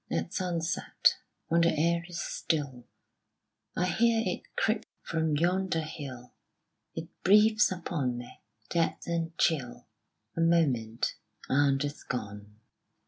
At sunset, when the air is still, I hear it creep from yonder hill: It breathes upon me, dead and chill, A moment, and is gone.